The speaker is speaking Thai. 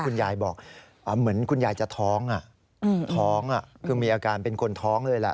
คุณยายบอกเหมือนคุณยายจะท้องท้องคือมีอาการเป็นคนท้องเลยแหละ